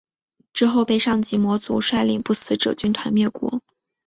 之后被上级魔族率领不死者军团灭国。